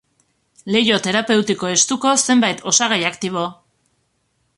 Leiho terapeutiko estuko zenbait osagai aktibo.